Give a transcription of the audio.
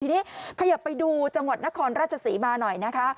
ทีนี้ขยับไปดูจังหวัดนครราชศรีมาหน่อยนะคะ